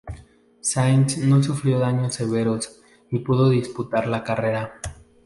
Sainz no sufrió daños severos y pudo disputar la carrera.